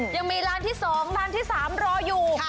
ยังมีร้านที่๒ร้านที่๓รออยู่